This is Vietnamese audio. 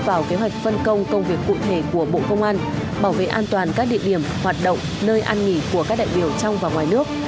trong tuần qua đoàn công tác của bộ công an do thượng tướng bùi văn nam ủy viên trung ương đảng